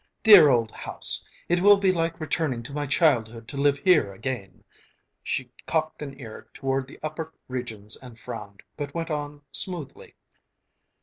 Dear old house! It will be like returning to my childhood to live here again!" She cocked an ear toward the upper regions and frowned, but went on smoothly.